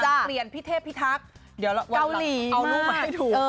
แล้วก็เปลี่ยนพี่เทพพี่ทักเดี๋ยวเราเอารูปมาให้ดู